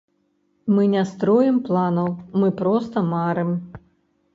Мы не строім планаў, мы проста марым.